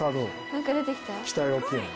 何か出てきた？